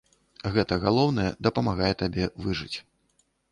Гэтае галоўнае дапамагае табе выжыць.